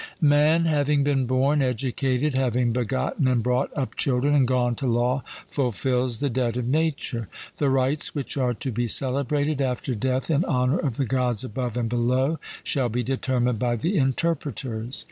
Man having been born, educated, having begotten and brought up children, and gone to law, fulfils the debt of nature. The rites which are to be celebrated after death in honour of the Gods above and below shall be determined by the Interpreters.